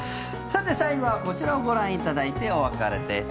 さて、最後はこちらをご覧いただいてお別れです。